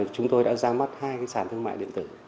chúng tôi đã ra mắt hai cái sản thương mạnh điện tử